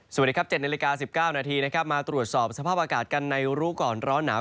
สวัสดีครับ๗นาฬิกา๑๙นาทีนะครับมาตรวจสอบสภาพอากาศกันในรู้ก่อนร้อนหนาว